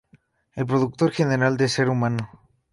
El productor general de "Ser humano!!